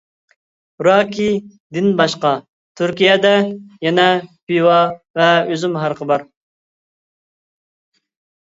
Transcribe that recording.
راكى دىن باشقا ، تۈركىيەدە يەنە پىۋا ۋە ئۈزۈم ھارىقى بار .